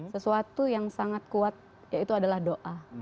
sesuatu yang sangat kuat yaitu adalah doa